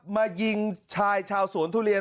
มายิงชายชาวสวนทุเรียน